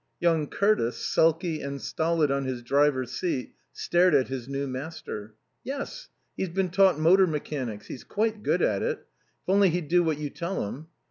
Young Curtis, sulky and stolid on his driver's seat, stared at his new master. "Yes. He's been taught motor mechanics. He's quite good at it ... If only he'd do what you tell him.